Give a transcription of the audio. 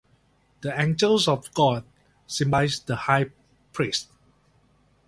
"The angels of God" symbolize the High Priests.